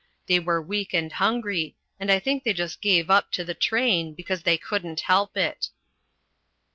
They were weak and hungry, and I think they just gave up to the train because they couldn't help it."